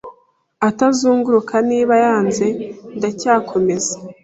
utazungurukaNiba yanze ndacyakomeza